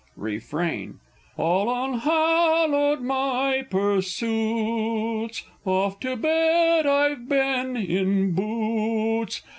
Refrain. All unhallowed my pursuits, (Oft to bed I've been in boots!)